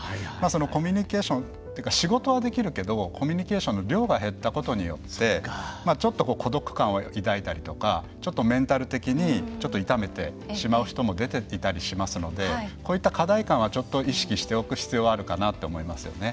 コミュニケーションというか仕事はできるけどコミュニケーションの量が減ったことによってちょっと孤独感を抱いたりとかちょっとメンタル的にちょっと痛めてしまう人も出ていたりしますのでこういった課題感は意識しておく必要があるかなと思いますよね。